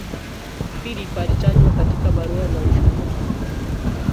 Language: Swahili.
philip alitajwa katika barua za ushujaa